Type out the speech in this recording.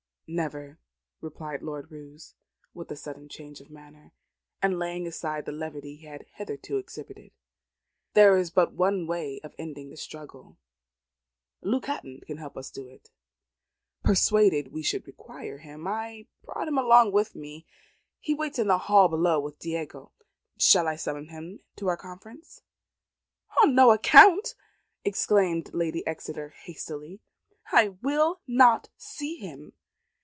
"Never," replied Lord Roos, with a sudden change of manner, and laying aside the levity he had hitherto exhibited. "There is but one way of ending the struggle. Luke Hatton can help us to it. Persuaded we should require him, I have brought him with me. He waits in the hall below with Diego. Shall I summon him to our conference?" "On no account," exclaimed Lady Exeter hastily; "I will not see him.